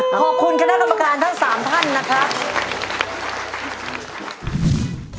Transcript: ขอบคุณคณะกรรมการทั้ง๓ท่านนะครับ